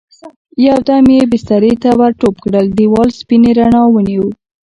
يو دم يې بسترې ته ور ټوپ کړل، دېوال سپينې رڼا ونيو.